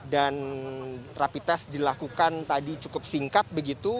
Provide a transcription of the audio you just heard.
dan rapi tes dilakukan tadi cukup singkat begitu